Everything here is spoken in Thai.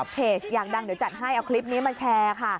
เพจอยากดังเดี๋ยวจัดให้เอาคลิปนี้มาแชร์ค่ะ